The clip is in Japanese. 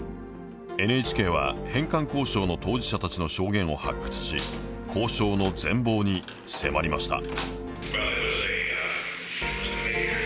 ＮＨＫは返還交渉の当事者たちの証言を発掘し交渉の全貌に迫りました。